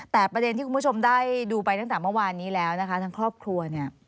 แต่ประเด็นที่คุณผู้ชมได้ดูไปตั้งแต่เมื่อวานนี้แล้วนะคะทั้งครอบครัวเนี่ย